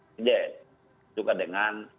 bid juga dengan